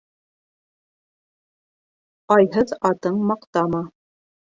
Айһыҙ атың маҡтама